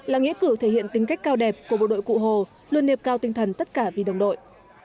là nghĩa cử thể hiện tính cách cao đẹp của bộ đội cụ hồ luôn đẹp cao tinh thần tất cả vì đồng đội